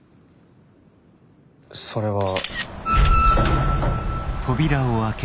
それは。